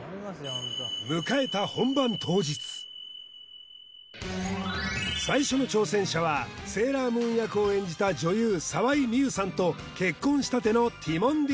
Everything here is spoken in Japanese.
迎えた最初の挑戦者はセーラームーン役を演じた女優・沢井美優さんと結婚したてのティモンディ